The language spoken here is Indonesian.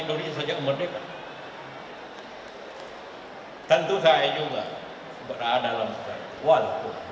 tentu saya juga berada dalam sejarah walaupun